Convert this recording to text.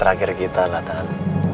terakhir kita lah tan